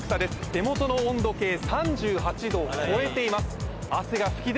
手元の温度計３８℃を超えています